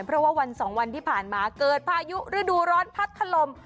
เพราะว่าวันสองวันที่ผ่านมาเกิดพายุฤดูร้อนพัดถลม